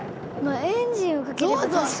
エンジンをかければ確かに。